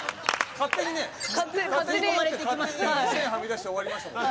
勝手に線はみ出して終わりましたもんね。